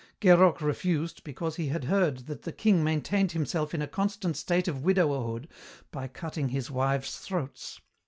Guerock refused, because he had heard that the king maintained himself in a constant state of widowerhood by cutting his wives' throats.